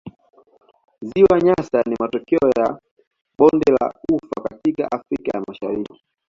Ziwa Nyasa ni matokeo ya bonde la ufa katika Afrika ya Mashariki